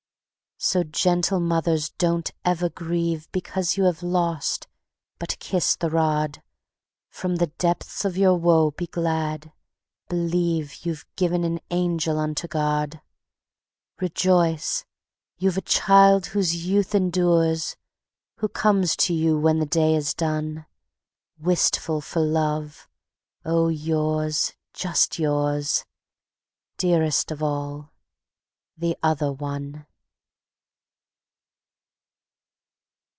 _ So, gentle mothers, don't ever grieve Because you have lost, but kiss the rod; From the depths of your woe be glad, believe You've given an angel unto God. Rejoice! You've a child whose youth endures, Who comes to you when the day is done, Wistful for love, oh, yours, just yours, Dearest of all, the Other One.